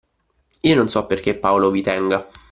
Io non so perché Paolo vi tenga.